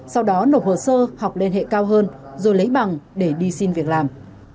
sau đó nộp hồ sơ học liên hệ cao hơn rồi lấy bằng để đi xin việc làm